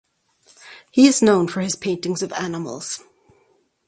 He is known for his paintings of animals.